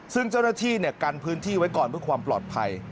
ซึ่งเจ้าหน้าที่กันพื้นที่ไว้ก่อนเพื่อความปลอดภัย